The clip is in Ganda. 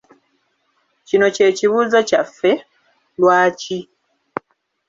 Kino kye kibuuzo kyaffe: Lwaki?